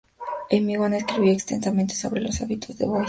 Hemingway escribió extensamente sobre los hábitos de Boise.